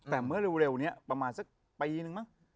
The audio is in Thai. แต่เมื่อเร็วนี้ประมาณสักปีนึงมั้ง